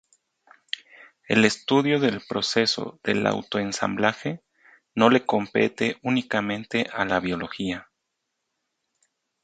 El estudio del proceso del autoensamblaje no le compete únicamente a la biología.